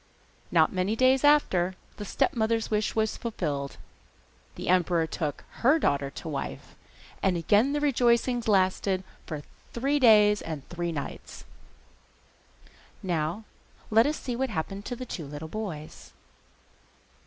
Not many days after, the stepmother's wish was fulfilled. The emperor took her daughter to wife, and again the rejoicings lasted for three days and three nights. Let us now see what happened to the two little boys.